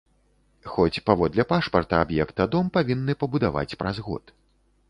Хоць, паводле пашпарта аб'екта, дом павінны пабудаваць праз год.